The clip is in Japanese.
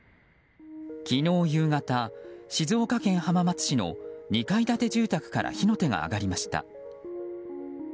昨日夕方、静岡県浜松市の２階建て住宅から火の手が上がりました。